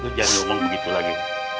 lu jangan omong begitu lagi